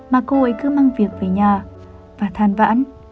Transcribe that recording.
mà cô ấy cứ mang việc về nhà và than vãn